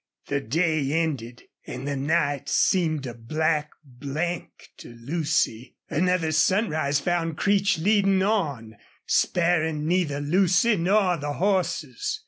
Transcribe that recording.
The day ended, and the night seemed a black blank to Lucy. Another sunrise found Creech leading on, sparing neither Lucy nor the horses.